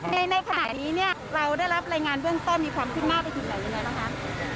ในในขณะนี้เนี้ยเราได้รับรายงานเรื่องต้นมีความขึ้นมากไปถึงไหนแล้วนะคะ